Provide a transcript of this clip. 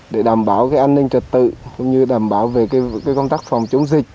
để đảm bảo cái an ninh trật tự cũng như đảm bảo về cái công tác phòng chống dịch